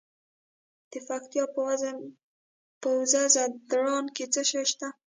د پکتیا په وزه ځدراڼ کې څه شی شته؟